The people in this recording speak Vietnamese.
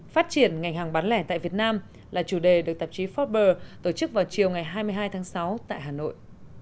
phát triển ngành hàng bán lẻ tại việt nam là chủ đề được tạp chí fort burr tổ chức vào chiều hai mươi hai tháng sáu tại hà nội